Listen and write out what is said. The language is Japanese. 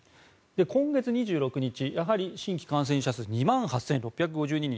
今月２６日やはり新規感染者２万８６５２人。